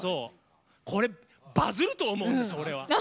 これバズると思うんです。